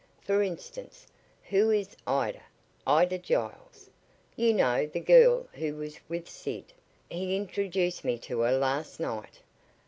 For instance, who is Ida Ida Giles? You know the girl who was with Sid? He introduced me to her last night."